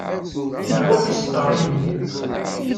Nehwa tiseddaṛin-nni.